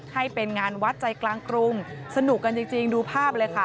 ให้เป็นงานวัดใจกลางกรุงสนุกกันจริงดูภาพเลยค่ะ